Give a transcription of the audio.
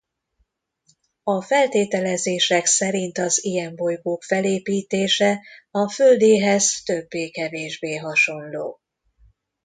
A feltételezések szerint az ilyen bolygók felépítése a Földéhez többé-kevésbé hasonló.